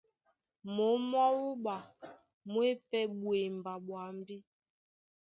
Mǒm mwá wúɓa mú e pɛ́ ɓwemba ɓwambí.